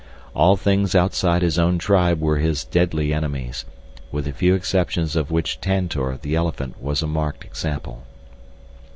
All things outside his own tribe were his deadly enemies, with the few exceptions of which Tantor, the elephant, was a marked example.